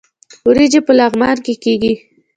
وریجې په لغمان کې کیږي